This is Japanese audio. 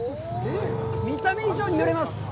見た目以上に揺れます。